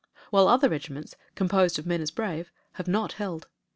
While other regiments, composed of men as brave, have not held.